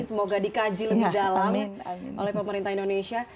semoga dikaji lebih dalam oleh pemerintah indonesia